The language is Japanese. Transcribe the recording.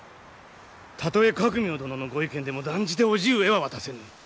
たとえ覚明殿のご意見でも断じて叔父上は渡せぬ。